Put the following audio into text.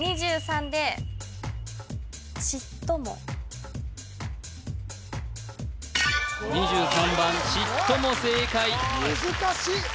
２３で２３番ちっとも正解難しい！